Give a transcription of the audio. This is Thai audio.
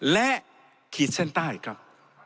และขีดเส้นใต้ครับ